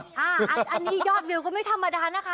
อันนี้ยอดวิวก็ไม่ธรรมดานะคะ